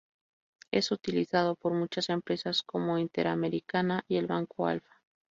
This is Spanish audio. Es utilizado por muchas empresas como Interamericana y el Banco Alpha.